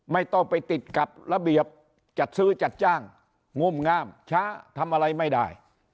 ไม่ต้องไปติดกับระเบียบจัดซื้อจัดจ้างงุ่มงามช้าทำอะไรไม่ได้